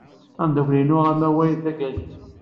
Ameddakel-inu amaway d Agali.